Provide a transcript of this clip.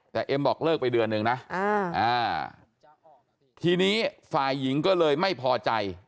แต่เอ็มบอกเลิกไปเดือนนึงนะทีนี้ฝ่ายหญิงก็เลยไม่พอใจ